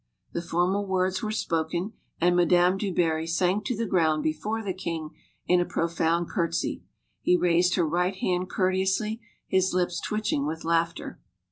The formal words were spoken, and Madame du Barry sank to the ground before the king in a profound curtsy. He raised her right hand courteously, his lips twitching with laughter.